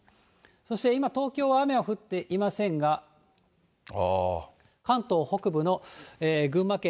そして今、東京は雨は降っていませんが、関東北部の群馬県、